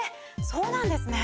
そうなんですね。